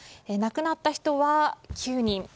亡くなった人は９人。